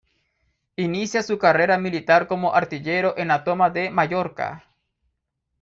Inicia su carrera militar como artillero en la toma de Mallorca.